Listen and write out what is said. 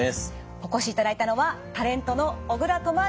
お越しいただいたのはタレントの小倉智昭さんです。